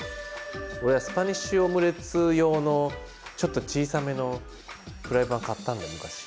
俺スパニッシュオムレツ用のちょっと小さめのフライパン買ったんだ昔。